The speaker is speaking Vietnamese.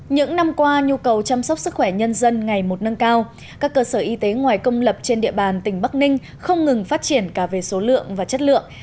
những năm qua nhu cầu chăm sóc sức khỏe nhân dân ngày một nâng cao các cơ sở y tế ngoài công lập trên địa bàn tỉnh bắc ninh không ngừng phát triển cả về số lượng và chất lượng